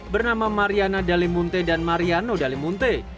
bernama mariana dalimunte dan mariano dalimunte